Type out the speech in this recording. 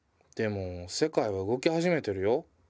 でも世界は動き始めてるよ。